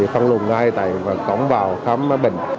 phân luận ngay tại cổng vào khám bệnh